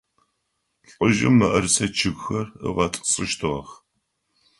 Лӏыжъым мыӏэрысэ чъыгхэр ыгъэтӏысыщтыгъэх.